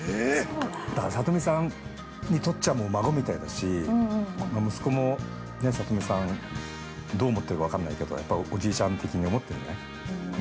だから、里見さんにとっちゃ孫みたいだし、息子も、里見さん、どう思ってるか分からないけど、おじいちゃん的に思ってるんじゃない？